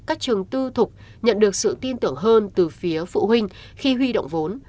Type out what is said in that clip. các trường tư thục nhận được sự tin tưởng hơn từ phía phụ huynh khi huy động vốn